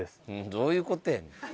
どういうことやねん。